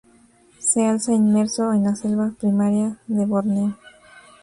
Se alza inmerso en la selva primaria de Borneo.